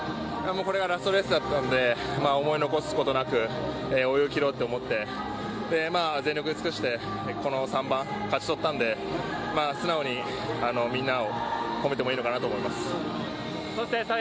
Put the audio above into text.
これがラストレースだったんで思い残すことなく泳ぎ切ろうと思って全力尽くしてこの３番、勝ち取ったので素直にみんなを褒めてもいいのかなと思います。